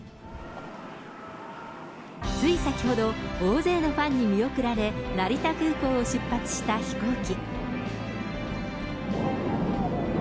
つい先ほど、大勢のファンに見送られ、成田空港を出発した飛行機。